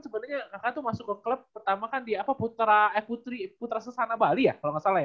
sebenarnya kakak tuh masuk ke klub pertama kan di putra sesana bali ya kalau nggak salah ya